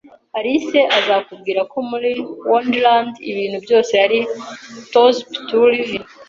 Alice azakubwira ko muri Wonderland ibintu byose ari topsy-turvy